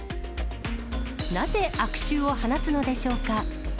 なぜ、悪臭を放つのでしょうか。